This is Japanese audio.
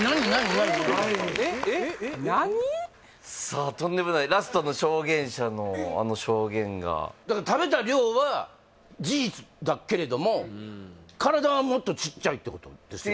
さあとんでもないラストの証言者のあの証言がだから食べた量は事実だけれども体はもっとちっちゃいってことですよね？